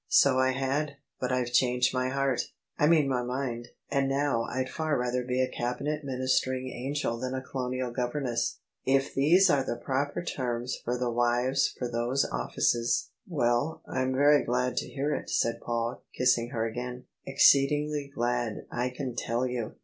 "" So I had, but Tve changed my heart — I mean my mind : and now Td far rather be a Cabinet Ministering angel than a Q)lonial Governess, if these are the proper terms for the wives for those ofiices." ",Well, Fm very glad to hear it," said Paul, kissing her again :" exceedingly glad, I can tell you